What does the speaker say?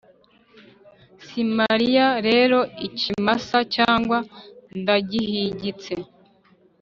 Samariya rero, ikimasa cyawe ndagihigitse !